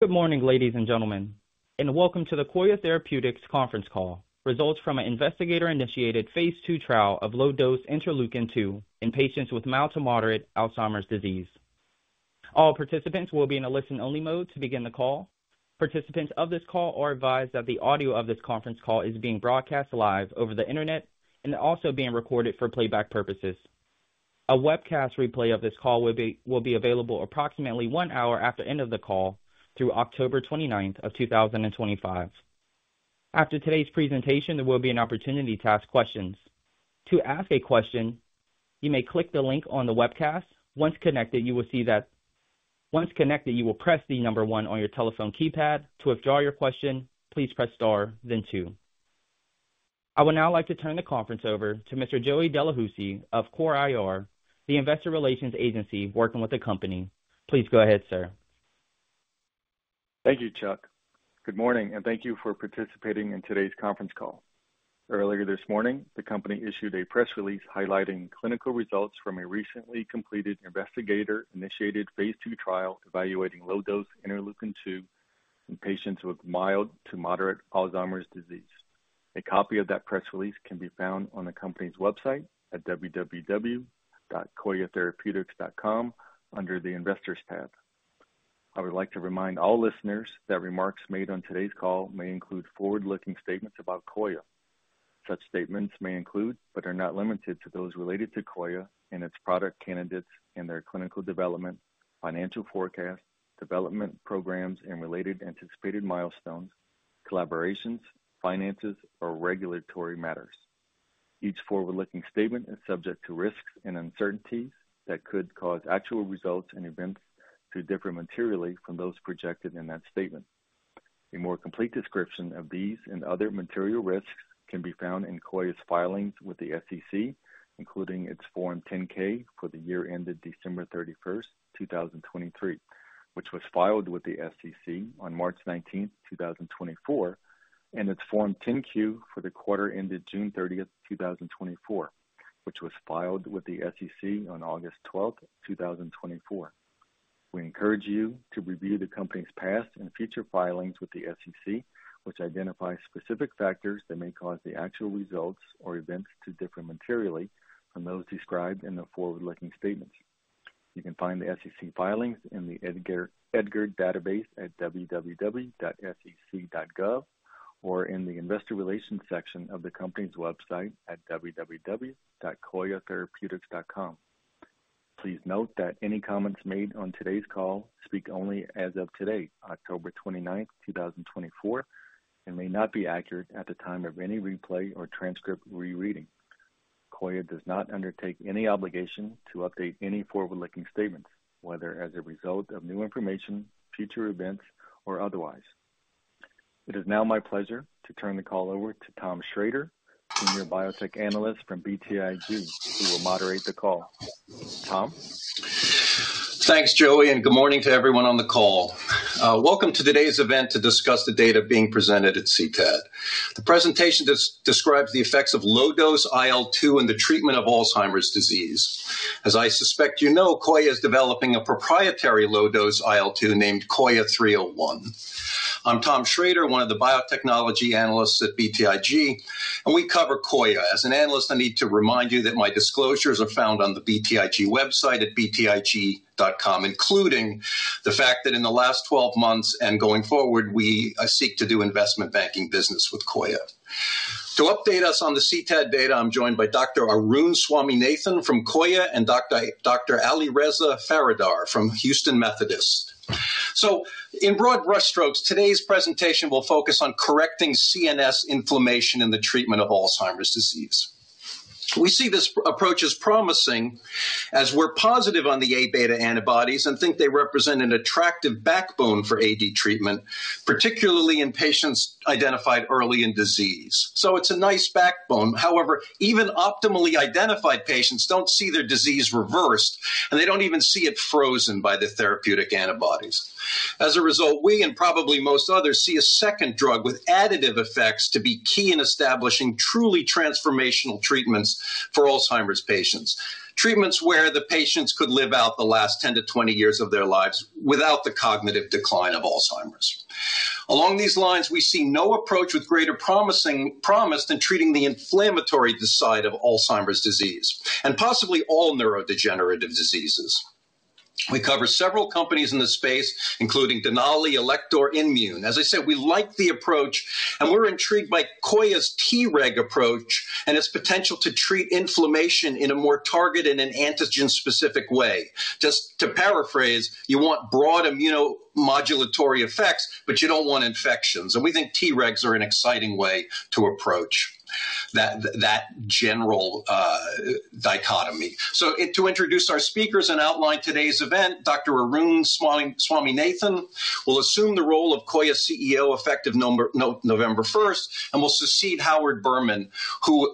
Good morning, ladies and gentlemen, and welcome to the Coya Therapeutics conference call, results from an investigator-initiated phase two trial of low-dose interleukin-2 in patients with mild to moderate Alzheimer's disease. All participants will be in a listen-only mode to begin the call. Participants of this call are advised that the audio of this conference call is being broadcast live over the internet and also being recorded for playback purposes. A webcast replay of this call will be available approximately one hour after the end of the call through October 29th of 2025. After today's presentation, there will be an opportunity to ask questions. To ask a question, you may click the link on the webcast. Once connected, you will see that you will press the number one on your telephone keypad. To withdraw your question, please press star, then two. I would now like to turn the conference over to Mr. Joey Delahoussaye of CoreIR, the investor relations agency working with the company. Please go ahead, sir. Thank you, Chuck. Good morning, and thank you for participating in today's conference call. Earlier this morning, the company issued a press release highlighting clinical results from a recently completed investigator-initiated phase two trial evaluating low-dose interleukin-2 in patients with mild to moderate Alzheimer's disease. A copy of that press release can be found on the company's website at www.coyatherapeutics.com under the investors tab. I would like to remind all listeners that remarks made on today's call may include forward-looking statements about Coya. Such statements may include, but are not limited to, those related to Coya and its product candidates and their clinical development, financial forecast, development programs, and related anticipated milestones, collaborations, finances, or regulatory matters. Each forward-looking statement is subject to risks and uncertainties that could cause actual results and events to differ materially from those projected in that statement. A more complete description of these and other material risks can be found in Coya's filings with the SEC, including its Form 10-K for the year ended December 31st, 2023, which was filed with the SEC on March 19th, 2024, and its Form 10-Q for the quarter ended June 30th, 2024, which was filed with the SEC on August 12th, 2024. We encourage you to review the company's past and future filings with the SEC, which identify specific factors that may cause the actual results or events to differ materially from those described in the forward-looking statements. You can find the SEC filings in the EDGAR database at www.sec.gov or in the investor relations section of the company's website at www.coyatherapeutics.com. Please note that any comments made on today's call speak only as of today, October 29th, 2024, and may not be accurate at the time of any replay or transcript rereading. Coya does not undertake any obligation to update any forward-looking statements, whether as a result of new information, future events, or otherwise. It is now my pleasure to turn the call over to Tom Schrader, senior biotech analyst from BTIG, who will moderate the call. Tom? Thanks, Joey, and good morning to everyone on the call. Welcome to today's event to discuss the data being presented at CTED. The presentation describes the effects of low-dose IL-2 in the treatment of Alzheimer's disease. As I suspect you know, Coya is developing a proprietary low-dose IL-2 named Coya 301. I'm Tom Schrader, one of the biotechnology analysts at BTIG, and we cover Coya. As an analyst, I need to remind you that my disclosures are found on the BTIG website at btig.com, including the fact that in the last 12 months and going forward, we seek to do investment banking business with Coya. To update us on the CTED data, I'm joined by Dr. Arun Swaminathan from Coya and Dr. Alireza Faridar from Houston Methodist, so in broad brush strokes, today's presentation will focus on correcting CNS inflammation in the treatment of Alzheimer's disease. We see this approach as promising as we're positive on the A-beta antibodies and think they represent an attractive backbone for AD treatment, particularly in patients identified early in disease. So, it's a nice backbone. However, even optimally identified patients don't see their disease reversed, and they don't even see it frozen by the therapeutic antibodies. As a result, we, and probably most others, see a second drug with additive effects to be key in establishing truly transformational treatments for Alzheimer's patients, treatments where the patients could live out the last 10-20 years of their lives without the cognitive decline of Alzheimer's. Along these lines, we see no approach with greater promise than treating the inflammatory side of Alzheimer's disease and possibly all neurodegenerative diseases. We cover several companies in the space, including Denali, Alector, INmune Bio. As I said, we like the approach, and we're intrigued by Coya's Treg approach and its potential to treat inflammation in a more targeted and antigen-specific way. Just to paraphrase, you want broad immunomodulatory effects, but you don't want infections. And we think Tregs are an exciting way to approach that general dichotomy. So, to introduce our speakers and outline today's event, Dr. Arun Swaminathan will assume the role of Coya CEO effective November 1st and will succeed Howard Berman, who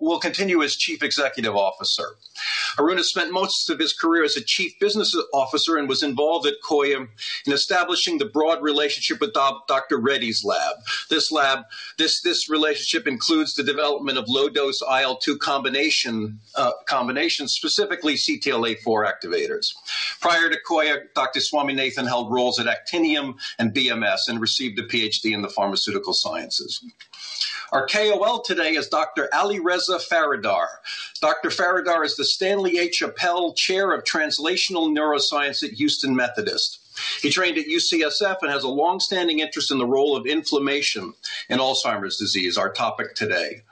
will continue as Chief Executive Officer. Arun has spent most of his career as a chief business officer and was involved at Coya in establishing the broad relationship with Dr. Reddy's lab. This relationship includes the development of low-dose IL-2 combinations, specifically CTLA-4 activators. Prior to Coya, Dr. Swaminathan held roles at Actinium and BMS and received a PhD in the pharmaceutical sciences. Our KOL today is Dr. Alireza Faridar. Dr. Faridar is the Stanley H. Appel Chair of Translational Neuroscience at Houston Methodist. He trained at UCSF and has a long-standing interest in the role of inflammation in Alzheimer's disease, our topic today.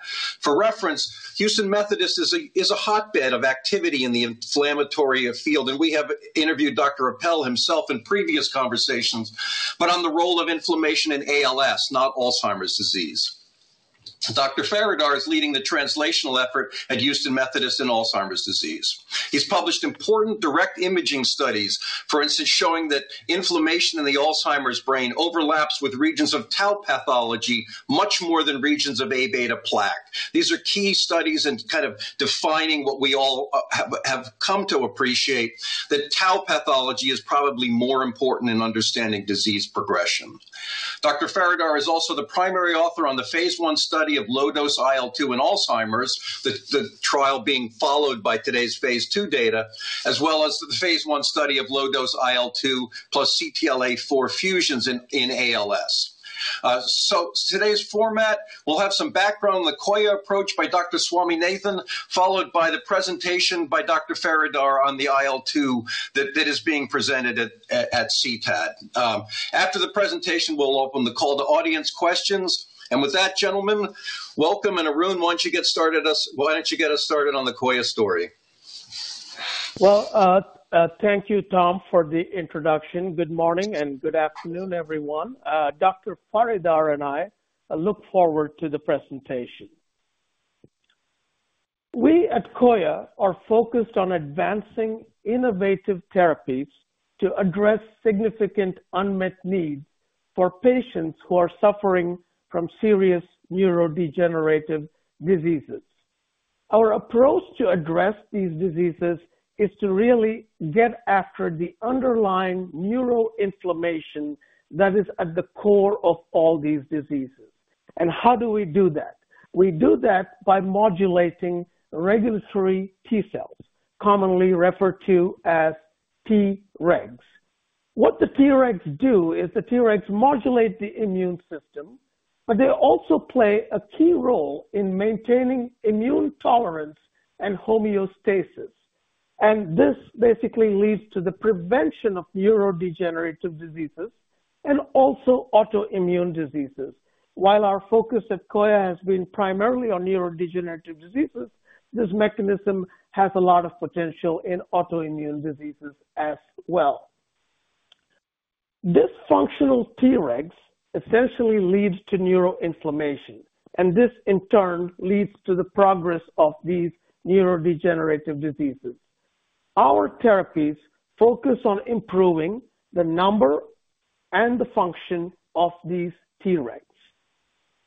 For reference, Houston Methodist is a hotbed of activity in the inflammatory field, and we have interviewed Dr. Appel himself in previous conversations, but on the role of inflammation in ALS, not Alzheimer's disease. Dr. Faridar is leading the translational effort at Houston Methodist in Alzheimer's disease. He's published important direct imaging studies, for instance, showing that inflammation in the Alzheimer's brain overlaps with regions of tau pathology much more than regions of A-beta plaque. These are key studies in kind of defining what we all have come to appreciate, that tau pathology is probably more important in understanding disease progression. Dr. Faridar is also the primary author on the phase one study of low-dose IL-2 in Alzheimer's, the trial being followed by today's phase two data, as well as the phase one study of low-dose IL-2 plus CTLA-4 fusions in ALS. So, today's format, we'll have some background on the Coya approach by Dr. Swaminathan, followed by the presentation by Dr. Faridar on the IL-2 that is being presented at CTED. After the presentation, we'll open the call to audience questions. And with that, gentlemen, welcome. And Arun, why don't you get started? Why don't you get us started on the Coya story? Thank you, Tom, for the introduction. Good morning and good afternoon, everyone. Dr. Faridar and I look forward to the presentation. We at Coya are focused on advancing innovative therapies to address significant unmet needs for patients who are suffering from serious neurodegenerative diseases. Our approach to address these diseases is to really get after the underlying neuroinflammation that is at the core of all these diseases. And how do we do that? We do that by modulating regulatory T cells, commonly referred to as Tregs. What the Tregs do is the Tregs modulate the immune system, but they also play a key role in maintaining immune tolerance and homeostasis. And this basically leads to the prevention of neurodegenerative diseases and also autoimmune diseases. While our focus at Coya has been primarily on neurodegenerative diseases, this mechanism has a lot of potential in autoimmune diseases as well. Dysfunctional Tregs essentially leads to neuroinflammation, and this in turn leads to the progress of these neurodegenerative diseases. Our therapies focus on improving the number and the function of these Tregs.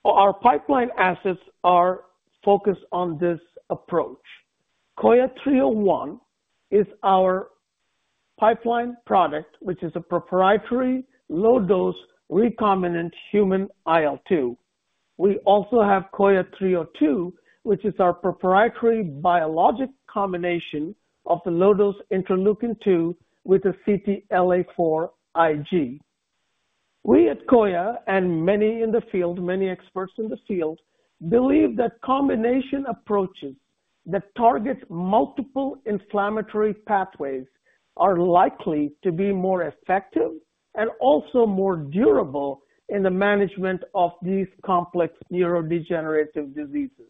Our pipeline assets are focused on this approach. Coya 301 is our pipeline product, which is a proprietary low-dose recombinant human IL-2. We also have Coya 302, which is our proprietary biologic combination of the low-dose interleukin-2 with the CTLA-4 Ig. We at Coya and many in the field, many experts in the field, believe that combination approaches that target multiple inflammatory pathways are likely to be more effective and also more durable in the management of these complex neurodegenerative diseases.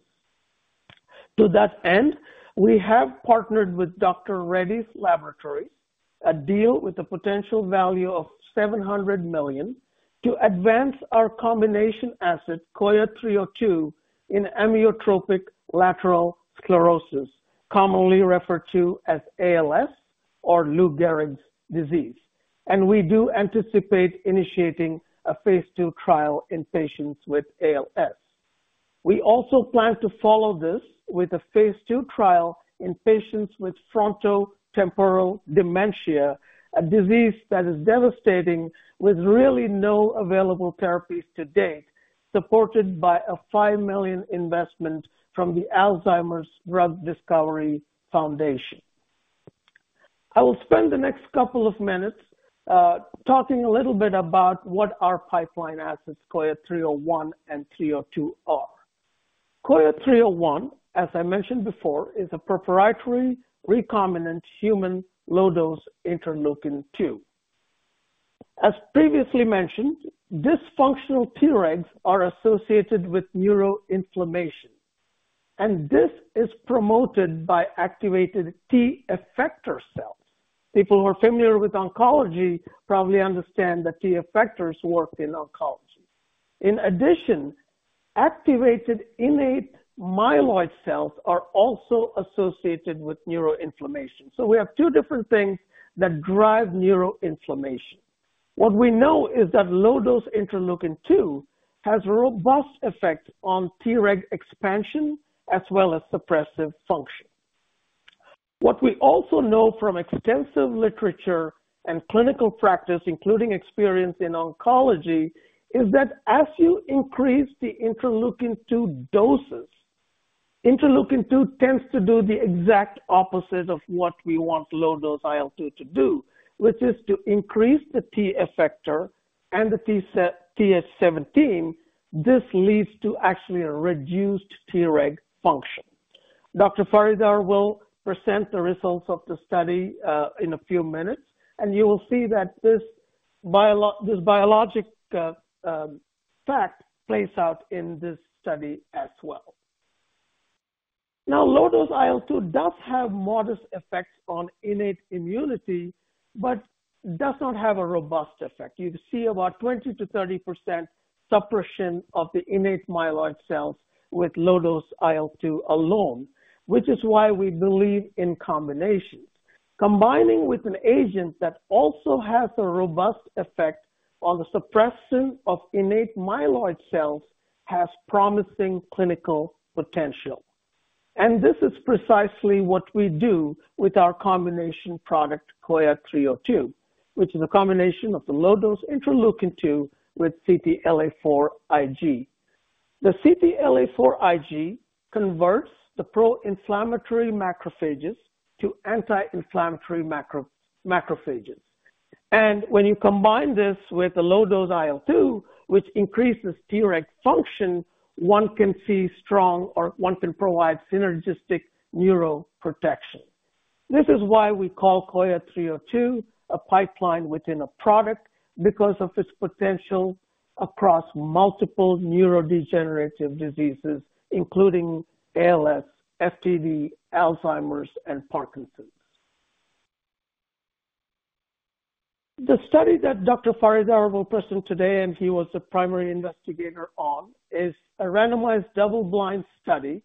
To that end, we have partnered with Dr. Reddy's Laboratories, a deal with a potential value of $700 million to advance our combination asset, Coya 302, in amyotrophic lateral sclerosis, commonly referred to as ALS or Lou Gehrig's disease. We do anticipate initiating a phase two trial in patients with ALS. We also plan to follow this with a phase two trial in patients with frontotemporal dementia, a disease that is devastating with really no available therapies to date, supported by a $5 million investment from the Alzheimer's Drug Discovery Foundation. I will spend the next couple of minutes talking a little bit about what our pipeline assets, Coya 301 and 302, are. Coya 301, as I mentioned before, is a proprietary recombinant human low-dose interleukin-2. As previously mentioned, dysfunctional Tregs are associated with neuroinflammation, and this is promoted by activated T effector cells. People who are familiar with oncology probably understand that T effectors work in oncology. In addition, activated innate myeloid cells are also associated with neuroinflammation. So, we have two different things that drive neuroinflammation. What we know is that low-dose interleukin-2 has a robust effect on Treg expansion as well as suppressive function. What we also know from extensive literature and clinical practice, including experience in oncology, is that as you increase the interleukin-2 doses, interleukin-2 tends to do the exact opposite of what we want low-dose IL-2 to do, which is to increase the T effector and the TH17. This leads to actually a reduced Treg function. Dr. Faridar will present the results of the study in a few minutes, and you will see that this biologic effect plays out in this study as well. Now, low-dose IL-2 does have modest effects on innate immunity, but does not have a robust effect. You see about 20%-30% suppression of the innate myeloid cells with low-dose IL-2 alone, which is why we believe in combinations. Combining with an agent that also has a robust effect on the suppression of innate myeloid cells has promising clinical potential. And this is precisely what we do with our combination product, Coya 302, which is a combination of the low-dose interleukin-2 with CTLA-4 Ig. The CTLA-4 Ig converts the pro-inflammatory macrophages to anti-inflammatory macrophages. And when you combine this with the low-dose IL-2, which increases Treg function, one can see strong or one can provide synergistic neuro protection. This is why we call Coya 302 a pipeline within a product because of its potential across multiple neurodegenerative diseases, including ALS, FTD, Alzheimer's, and Parkinson's. The study that Dr. Faridar will present today, and he was the primary investigator on. It is a randomized double-blind study,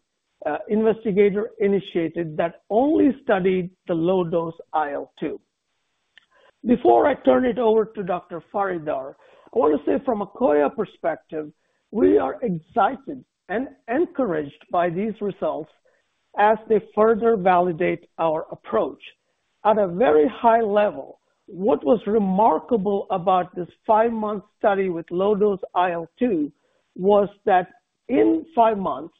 investigator-initiated, that only studied the low-dose IL-2. Before I turn it over to Dr. Faridar, I want to say from a Coya perspective, we are excited and encouraged by these results as they further validate our approach. At a very high level, what was remarkable about this five-month study with low-dose IL-2 was that in five months,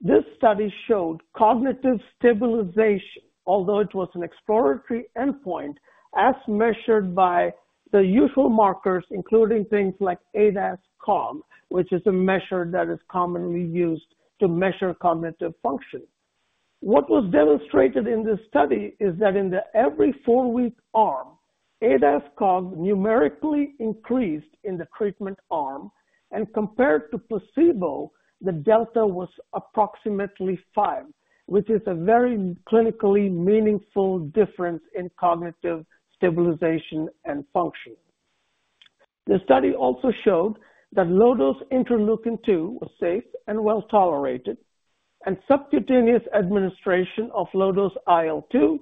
this study showed cognitive stabilization, although it was an exploratory endpoint as measured by the usual markers, including things like ADAS-Cog, which is a measure that is commonly used to measure cognitive function. What was demonstrated in this study is that in the every four-week arm, ADAS-Cog numerically increased in the treatment arm, and compared to placebo, the delta was approximately five, which is a very clinically meaningful difference in cognitive stabilization and function. The study also showed that low-dose interleukin-2 was safe and well tolerated, and subcutaneous administration of low-dose IL-2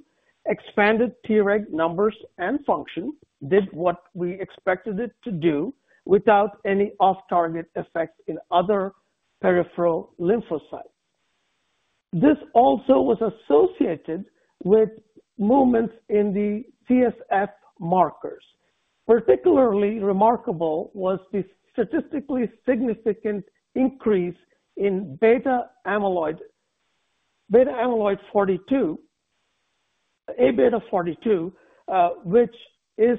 expanded Treg numbers and function, did what we expected it to do without any off-target effect in other peripheral lymphocytes. This also was associated with movements in the CSF markers. Particularly remarkable was the statistically significant increase in amyloid beta 42, A-beta 42, which is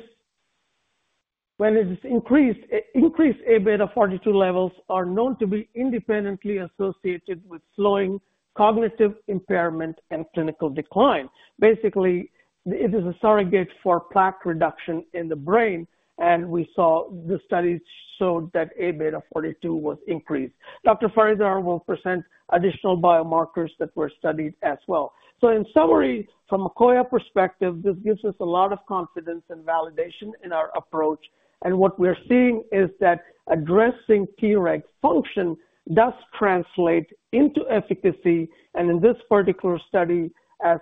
when it is increased, increased A-beta 42 levels are known to be independently associated with slowing cognitive impairment and clinical decline. Basically, it is a surrogate for plaque reduction in the brain, and we saw the studies showed that A-beta 42 was increased. Dr. Faridar will present additional biomarkers that were studied as well. So, in summary, from a Coya perspective, this gives us a lot of confidence and validation in our approach. What we are seeing is that addressing Treg function does translate into efficacy, and in this particular study, as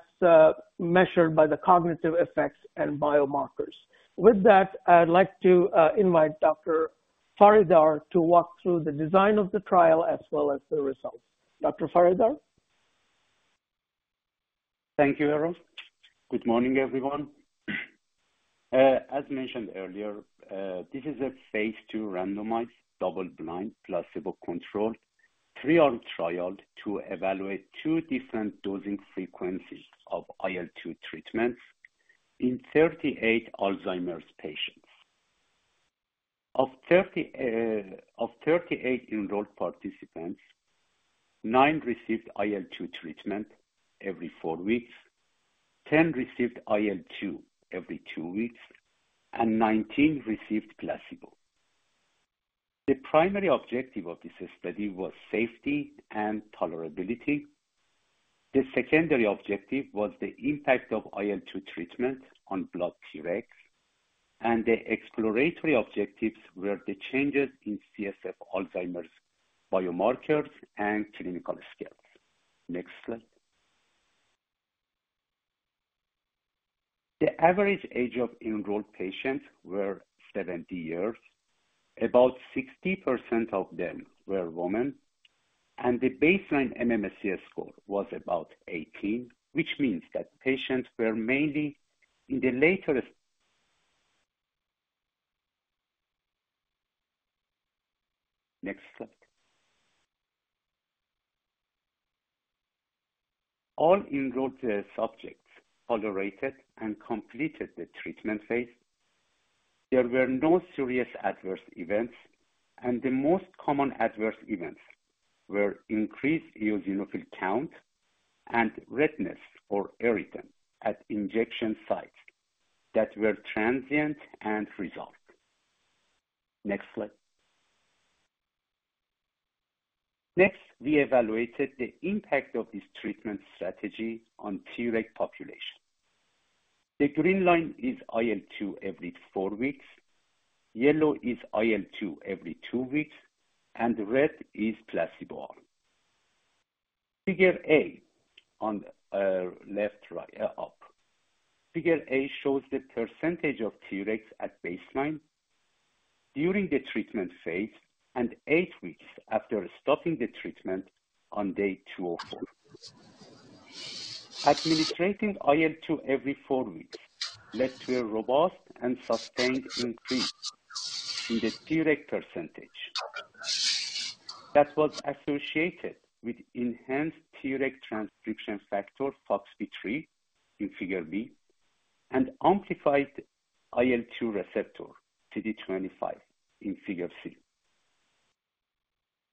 measured by the cognitive effects and biomarkers. With that, I'd like to invite Dr. Faridar to walk through the design of the trial as well as the results. Dr. Faridar? Thank you, Arun. Good morning, everyone. As mentioned earlier, this is a phase 2 randomized double-blind placebo-controlled trial to evaluate two different dosing frequencies of IL-2 treatments in 38 Alzheimer's patients. Of 38 enrolled participants, nine received IL-2 treatment every four weeks, 10 received IL-2 every two weeks, and 19 received placebo. The primary objective of this study was safety and tolerability. The secondary objective was the impact of IL-2 treatment on blood Tregs, and the exploratory objectives were the changes in CSF Alzheimer's biomarkers and clinical scales. Next slide. The average age of enrolled patients was 70 years. About 60% of them were women, and the baseline MMSE score was about 18, which means that patients were mainly in the latest. Next slide. All enrolled subjects tolerated and completed the treatment phase. There were no serious adverse events, and the most common adverse events were increased eosinophil count and redness or erythema at injection sites that were transient and resolved. Next slide. Next, we evaluated the impact of this treatment strategy on Treg population. The green line is IL-2 every four weeks, yellow is IL-2 every two weeks, and red is placebo. Figure A on the left up. Figure A shows the percentage of Tregs at baseline during the treatment phase and eight weeks after stopping the treatment on day 204. Administering IL-2 every four weeks led to a robust and sustained increase in the Treg percentage that was associated with enhanced Treg transcription factor FOXP3 in figure B and amplified IL-2 receptor CD25 in figure C.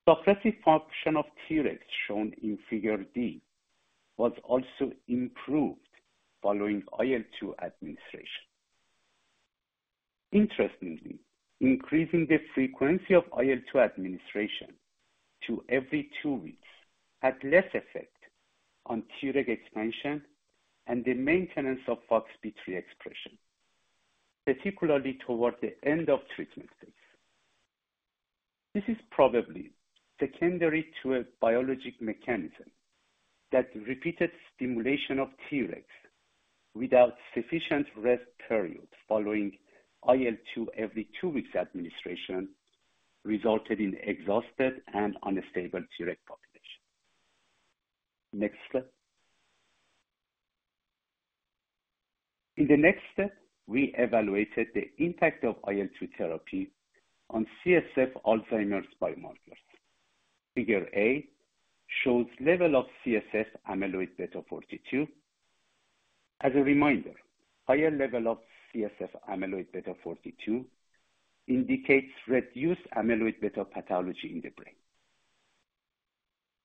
Suppressive function of Tregs shown in figure D was also improved following IL-2 administration. Interestingly, increasing the frequency of IL-2 administration to every two weeks had less effect on Treg expansion and the maintenance of FOXP3 expression, particularly toward the end of treatment phase. This is probably secondary to a biologic mechanism that repeated stimulation of Tregs without sufficient rest period following IL-2 every two weeks administration resulted in exhausted and unstable Treg population. Next slide. In the next step, we evaluated the impact of IL-2 therapy on CSF Alzheimer's biomarkers. Figure A shows level of CSF amyloid beta 42. As a reminder, higher level of CSF amyloid beta 42 indicates reduced amyloid beta pathology in the brain.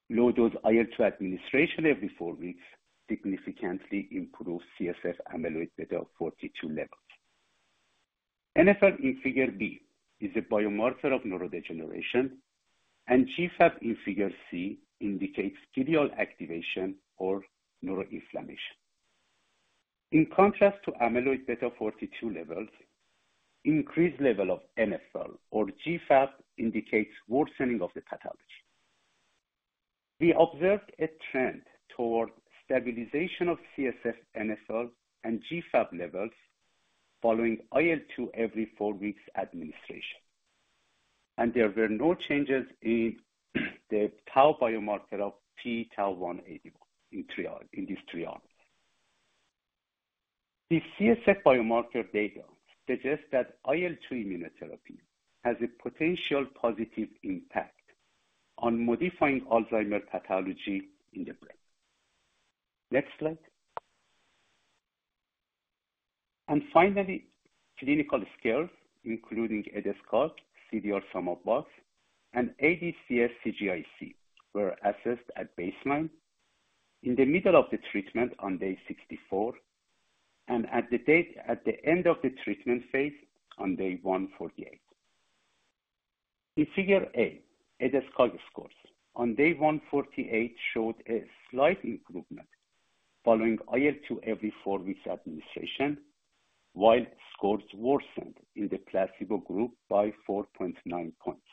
Low-dose IL-2 administration every four weeks significantly improves CSF amyloid beta 42 levels. NfL in Figure B is a biomarker of neurodegeneration, and GFAP in Figure C indicates glial activation or neuroinflammation. In contrast to amyloid beta 42 levels, increased level of NfL or GFAP indicates worsening of the pathology. We observed a trend toward stabilization of CSF NfL and GFAP levels following IL-2 every four weeks administration, and there were no changes in the tau biomarker of p-tau181 in these three arms. The CSF biomarker data suggests that IL-2 immunotherapy has a potential positive impact on modifying Alzheimer's pathology in the brain. Next slide. And finally, clinical scales, including ADAS-Cog, CDR-SB, and ADCS-CGIC, were assessed at baseline in the middle of the treatment on day 64, and at the end of the treatment phase on day 148. In Figure A, ADAS-Cog scores on day 148 showed a slight improvement following IL-2 every four weeks administration, while scores worsened in the placebo group by 4.9 points.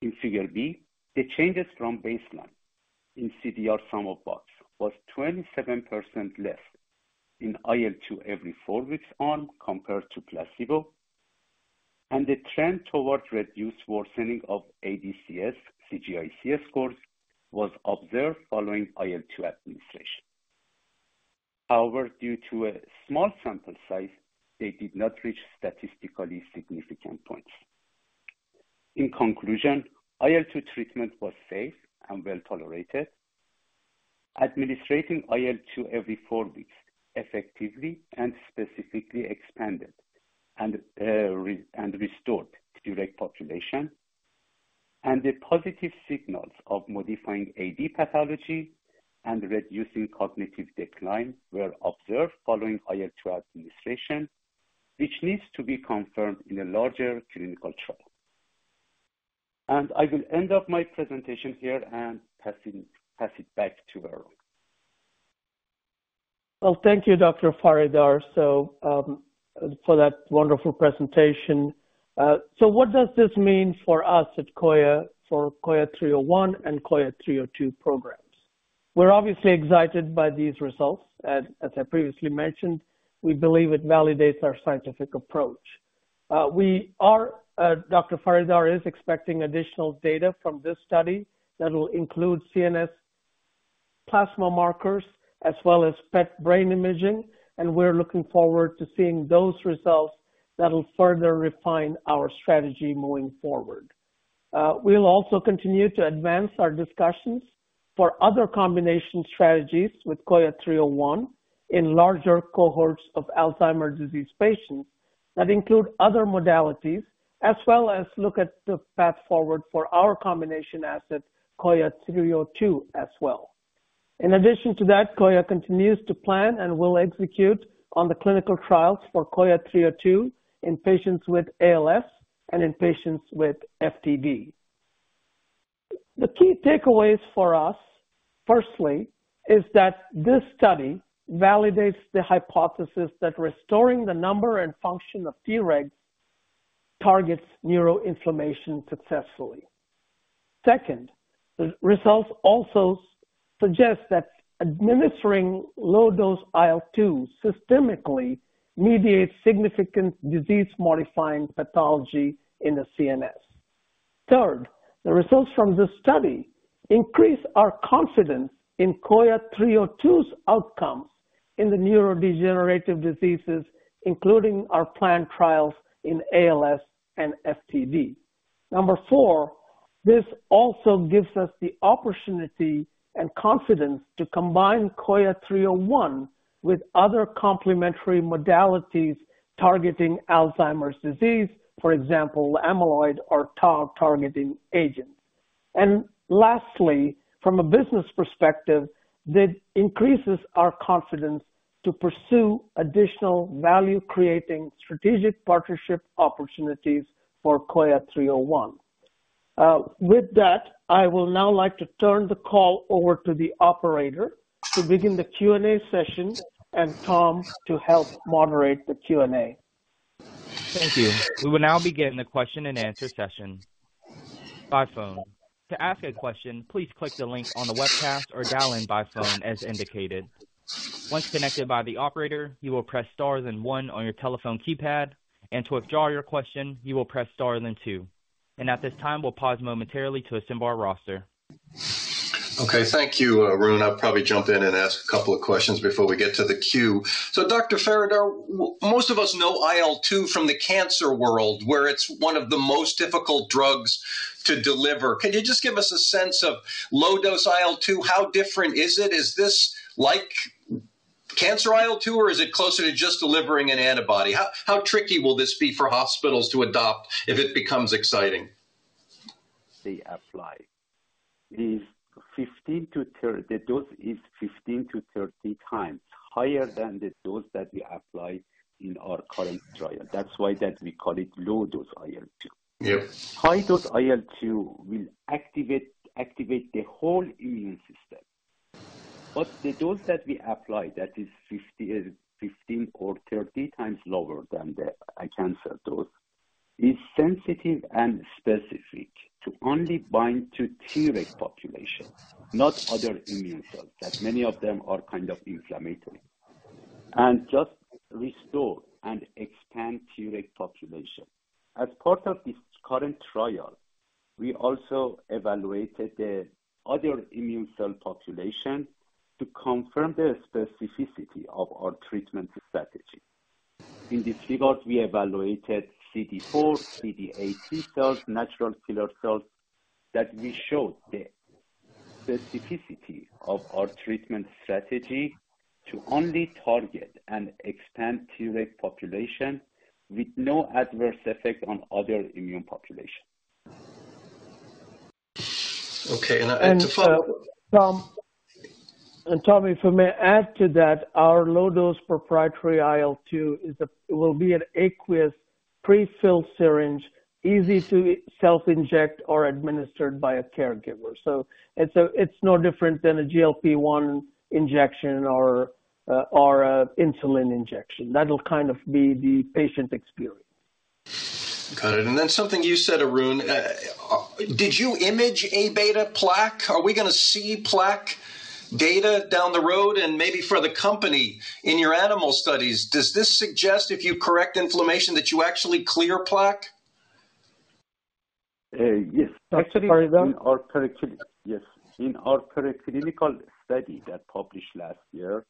In figure B, the changes from baseline in CDR-SB were 27% less in IL-2 every four weeks arm compared to placebo, and the trend toward reduced worsening of ADCS-CGIC scores was observed following IL-2 administration. However, due to a small sample size, they did not reach statistically significant points. In conclusion, IL-2 treatment was safe and well tolerated. Administering IL-2 every four weeks effectively and specifically expanded and restored Treg population, and the positive signals of modifying AD pathology and reducing cognitive decline were observed following IL-2 administration, which needs to be confirmed in a larger clinical trial. I will wrap up my presentation here and pass it back to Arun. Well, thank you, Dr. Faridar, for that wonderful presentation. So what does this mean for us at Coya for Coya 301 and Coya 302 programs? We're obviously excited by these results. As I previously mentioned, we believe it validates our scientific approach. Dr. Faridar is expecting additional data from this study that will include CNS plasma markers as well as PET brain imaging, and we're looking forward to seeing those results that will further refine our strategy moving forward. We'll also continue to advance our discussions for other combination strategies with Coya 301 in larger cohorts of Alzheimer's disease patients that include other modalities, as well as look at the path forward for our combination asset, Coya 302, as well. In addition to that, Coya continues to plan and will execute on the clinical trials for Coya 302 in patients with ALS and in patients with FTD. The key takeaways for us, firstly, is that this study validates the hypothesis that restoring the number and function of Tregs targets neuroinflammation successfully. Second, the results also suggest that administering low-dose IL-2 systemically mediates significant disease-modifying pathology in the CNS. Third, the results from this study increase our confidence in Coya 302's outcomes in the neurodegenerative diseases, including our planned trials in ALS and FTD. Number four, this also gives us the opportunity and confidence to combine Coya 301 with other complementary modalities targeting Alzheimer's disease, for example, amyloid or tau targeting agents. And lastly, from a business perspective, that increases our confidence to pursue additional value-creating strategic partnership opportunities for Coya 301. With that, I will now like to turn the call over to the operator to begin the Q&A session and Tom to help moderate the Q&A. Thank you. We will now begin the question and answer session by phone. To ask a question, please click the link on the webcast or dial in by phone as indicated. Once connected by the operator, you will press stars and one on your telephone keypad, and to withdraw your question, you will press stars and two. And at this time, we'll pause momentarily to assemble our roster. Okay, thank you, Arun. I'll probably jump in and ask a couple of questions before we get to the queue. So Dr. Faridar, most of us know IL-2 from the cancer world, where it's one of the most difficult drugs to deliver. Can you just give us a sense of low-dose IL-2? How different is it? Is this like cancer IL-2, or is it closer to just delivering an antibody? How tricky will this be for hospitals to adopt if it becomes exciting? The dose is 15-30 times higher than the dose that we applied in our current trial. That's why we call it low-dose IL-2. Yep. High-dose IL-2 will activate the whole immune system. But the dose that we applied, that is 15 or 30 times lower than the cancer dose, is sensitive and specific to only bind to Treg population, not other immune cells, that many of them are kind of inflammatory, and just restore and expand Treg population. As part of this current trial, we also evaluated the other immune cell population to confirm the specificity of our treatment strategy. In this regard, we evaluated CD4, CD8 cells, natural killer cells that we showed the specificity of our treatment strategy to only target and expand Treg population with no adverse effect on other immune population. Okay. And Tom, if I may add to that, our low-dose proprietary IL-2 will be an aqueous prefill syringe, easy to self-inject or administered by a caregiver. So it's no different than a GLP-1 injection or insulin injection. That'll kind of be the patient experience. Got it. And then something you said, Arun, did you image A-beta plaque? Are we going to see plaque data down the road? And maybe for the company in your animal studies, does this suggest, if you correct inflammation, that you actually clear plaque? Yes. Actually, Arun? In our clinical study that published last year,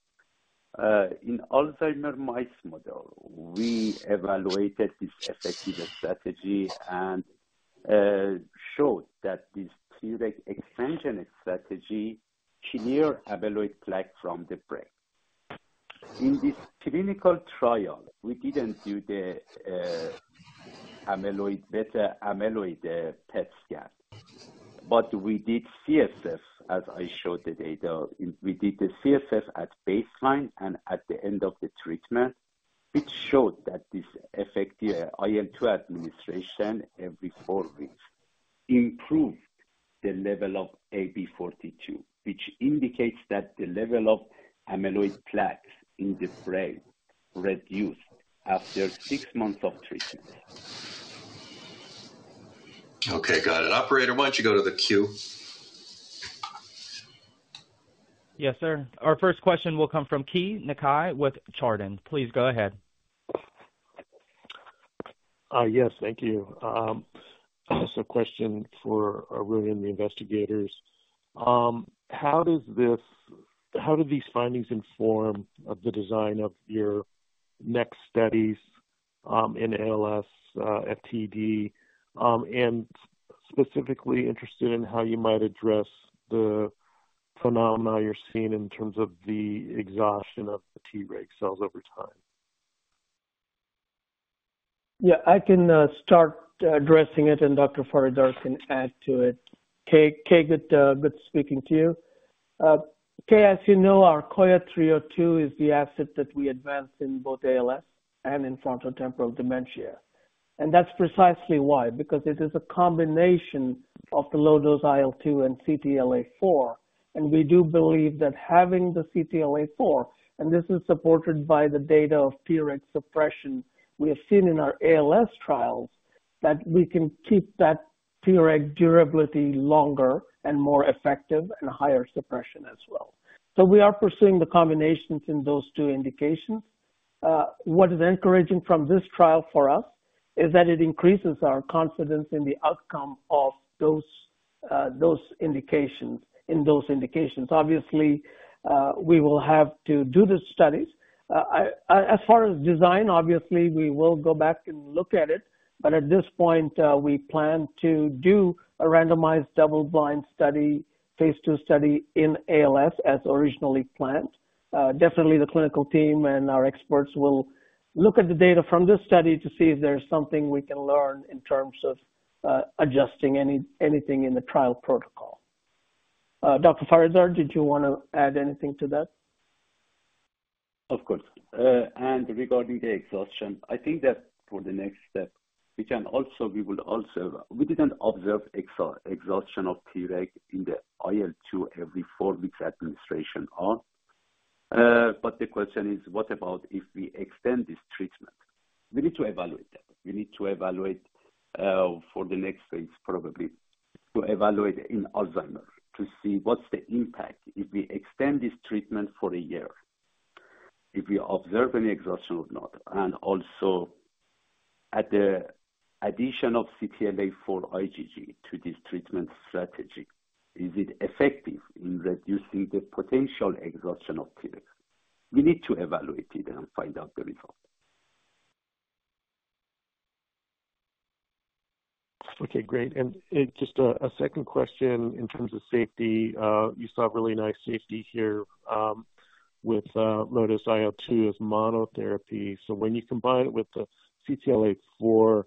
in Alzheimer's mice model, we evaluated this effective strategy and showed that this Treg expansion strategy cleared amyloid plaque from the brain. In this clinical trial, we didn't do the amyloid beta PET scan, but we did CSF, as I showed the data. We did the CSF at baseline and at the end of the treatment, which showed that this effective IL-2 administration every four weeks improved the level of Aβ42, which indicates that the level of amyloid plaques in the brain reduced after six months of treatment. Okay, got it. Operator, why don't you go to the queue? Yes, sir. Our first question will come from Keay Nakae with Chardan. Please go ahead. Yes, thank you. Just a question for Arun and the investigators. How do these findings inform the design of your next studies in ALS, FTD, and specifically interested in how you might address the phenomena you're seeing in terms of the exhaustion of the Treg cells over time? Yeah, I can start addressing it, and Dr. Faridar can add to it. Key, good speaking to you. Key, as you know, our Coya 302 is the asset that we advance in both ALS and in frontotemporal dementia. And that's precisely why, because it is a combination of the low-dose IL-2 and CTLA4. And we do believe that having the CTLA4, and this is supported by the data of Treg suppression we have seen in our ALS trials, that we can keep that Treg durability longer and more effective and higher suppression as well. So we are pursuing the combinations in those two indications. What is encouraging from this trial for us is that it increases our confidence in the outcome of those indications. In those indications, obviously, we will have to do the studies. As far as design, obviously, we will go back and look at it, but at this point, we plan to do a randomized double-blind study, phase 2 study in ALS as originally planned. Definitely, the clinical team and our experts will look at the data from this study to see if there's something we can learn in terms of adjusting anything in the trial protocol. Dr. Faridar, did you want to add anything to that? Of course. And regarding the exhaustion, I think that for the next step, we will also. We didn't observe exhaustion of Treg in the IL-2 every four weeks administration. But the question is, what about if we extend this treatment? We need to evaluate that. We need to evaluate for the next phase, probably to evaluate in Alzheimer's to see what's the impact if we extend this treatment for a year, if we observe any exhaustion or not. And also, at the addition of CTLA-4 Ig to this treatment strategy, is it effective in reducing the potential exhaustion of Treg? We need to evaluate it and find out the result. Okay, great. And just a second question in terms of safety. You saw a really nice safety here with low-dose IL-2 as monotherapy. So when you combine it with the CTLA-4,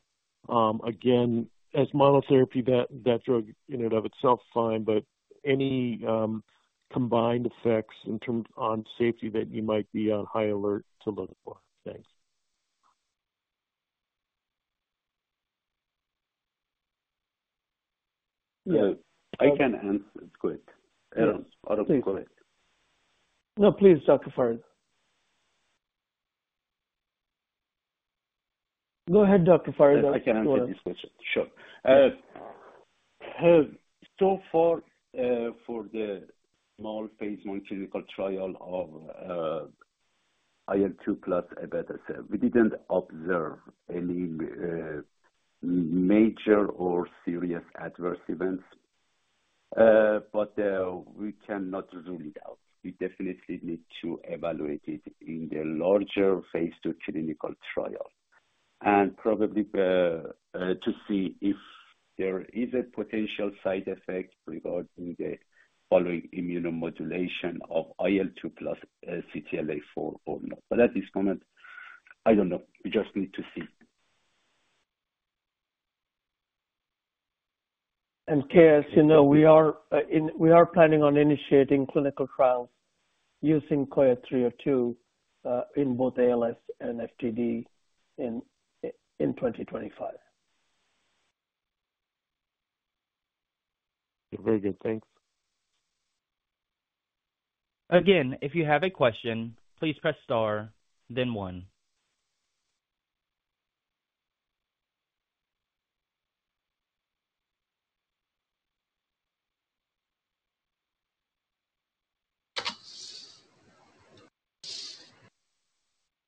again, as monotherapy, that drug in and of itself is fine, but any combined effects in terms of safety that you might be on high alert to look for? Thanks. Yeah, I can answer it quick. Out of court. No, please, Dr. Faridar. Go ahead, Dr. Faridar. I can answer this question. Sure. So far, for the small phase one clinical trial of IL-2 plus abatacept, we didn't observe any major or serious adverse events, but we cannot rule it out. We definitely need to evaluate it in the larger phase two clinical trial and probably to see if there is a potential side effect regarding the following immunomodulation of IL-2 plus CTLA-4 or not. But at this moment, I don't know. We just need to see. Key, as you know, we are planning on initiating clinical trials using Coya 302 in both ALS and FTD in 2025. Very good. Thanks. Again, if you have a question, please press star, then one.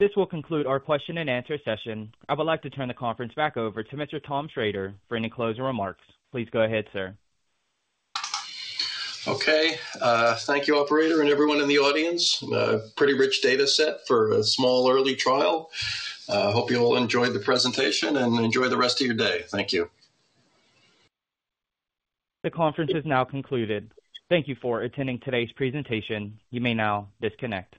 This will conclude our question and answer session. I would like to turn the conference back over to Mr. Tom Schrader for any closing remarks. Please go ahead, sir. Okay. Thank you, Operator, and everyone in the audience. Pretty rich data set for a small early trial. I hope you all enjoyed the presentation and enjoy the rest of your day. Thank you. The conference is now concluded. Thank you for attending today's presentation. You may now disconnect.